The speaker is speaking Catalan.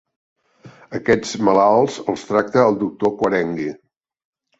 Aquests malalts, els tracta el doctor Quarengui.